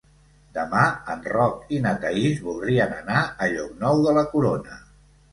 Demà en Roc i na Thaís voldrien anar a Llocnou de la Corona.